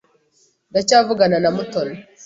Ndacyavugana na Mutoni.